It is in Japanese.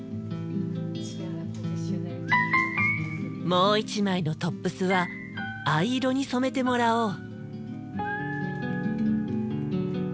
もう一枚のトップスは藍色に染めてもらおう。